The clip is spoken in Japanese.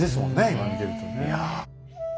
今見てるとね。